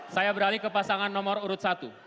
saya beralih ke pasangan nomor urut satu